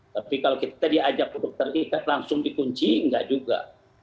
tapi kalau kita diajak untuk terikat langsung dikunci enggak juga